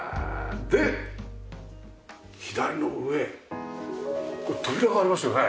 で左の上これ扉がありますよね？